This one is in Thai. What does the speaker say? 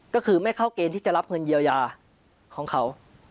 ก็คือไม่เข้าเกณฑ์ที่จะรับเงินเยียวยาของเขา